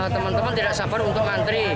teman teman tidak sabar untuk ngantri